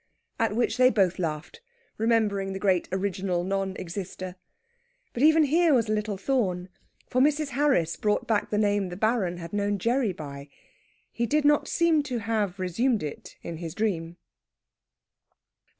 At which they both laughed, remembering the great original non exister. But even here was a little thorn. For Mrs. Harris brought back the name the Baron had known Gerry by. He did not seem to have resumed it in his dream.